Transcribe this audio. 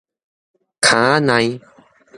坩仔賴